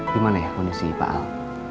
gimana ya kondisi pak al